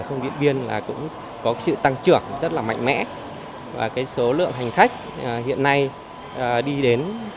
không điện biên là cũng có sự tăng trưởng rất là mạnh mẽ và cái số lượng hành khách hiện nay đi đến